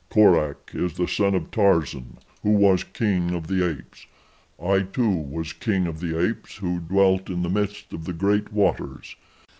Korak is the son of Tarzan who was king of the apes. I, too, was king of the apes who dwelt in the midst of the great waters.